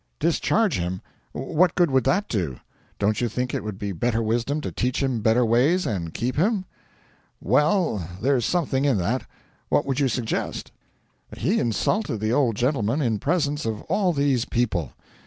'Discharge him! What good would that do? Don't you think it would be better wisdom to teach him better ways and keep him?' 'Well, there's something in that. What would you suggest?' 'He insulted the old gentleman in presence of all these people.